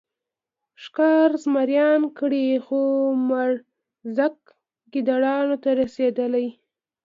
ښکار زمریانو کړی خو مړزکه ګیدړانو ته رسېدلې.